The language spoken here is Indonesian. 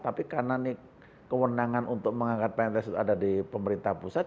tapi karena ini kewenangan untuk mengangkat pns itu ada di pemerintah pusat